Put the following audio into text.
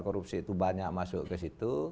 korupsi itu banyak masuk ke situ